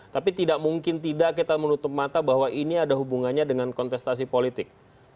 tapi tidak mungkin tidak kita menutup mata bahwa ini ada hubungannya dengan kontestasi politik